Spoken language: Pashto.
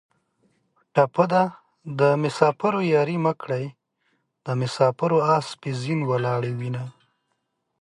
ټپه ده: د مسافرو یارۍ مه کړئ د مسافرو اسپې زین ولاړې وینه